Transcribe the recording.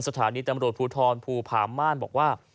สถานีตำรวจภูทรภูผาม่านบอกว่า